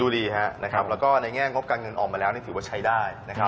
ดูดีครับแล้วก็ในแง่งบการเงินออกมาแล้วถือว่าใช้ได้